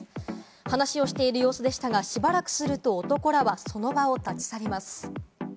話をしている様子でしたが、しばらくすると男らはその場を立ち去ります。